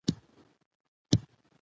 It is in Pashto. که رسنۍ ملاتړ وکړي بدلون به راشي.